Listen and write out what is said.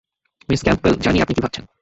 Miss Campbell, জানি, আপনি কী ভাবছেন।